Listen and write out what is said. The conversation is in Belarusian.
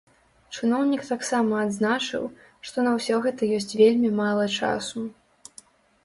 Чыноўнік таксама адзначыў, што на ўсё гэта ёсць вельмі мала часу.